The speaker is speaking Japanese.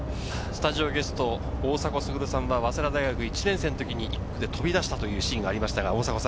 スタジオゲスト・大迫傑さんは早稲田大学１年生のときに１区で飛び出したシーンがありました。